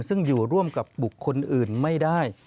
ซึ่งอยู่ร่วมกับบุคคลอื่นไม่ได้